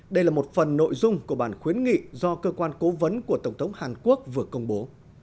đây là một phần nội dung của bản khuyến nghị do cơ quan cố vấn của tổng thống hàn quốc vừa công bố